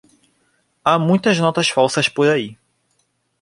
Há muitas notas falsas por aí.